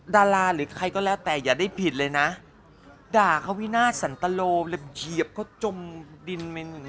ดาราหรือใครก็แล้วแต่อย่าได้ผิดเลยนะด่าเขาวินาทสันตโลเลยเหยียบเขาจมดินเป็นอย่างนี้